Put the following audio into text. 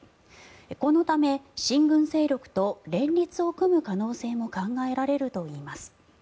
このため、親軍勢力と連立を組む可能性も考えられるといいます。